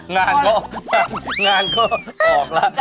งานก็งานก็ออกแล้ว